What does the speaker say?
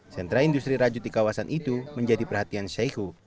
sentra industri rajut di kawasan itu menjadi perhatian syaiqo